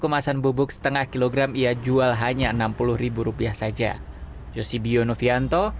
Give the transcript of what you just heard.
kemasan bubuk setengah kilogram ia jual hanya rp enam puluh saja josibio novianto